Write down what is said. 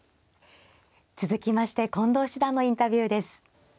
続きまして近藤七段のインタビューです。